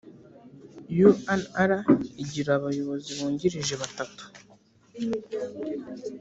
unr igira abayobozi bungirije batatu